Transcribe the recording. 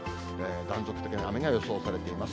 断続的な雨が予想されています。